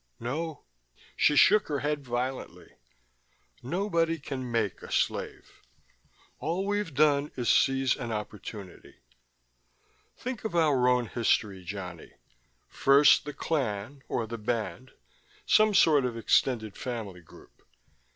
"No." She shook her head, violently. "Nobody can make a slave. All we've done is seize an opportunity. Think of our own history, Johnny: first the clan, or the band some sort of extended family group.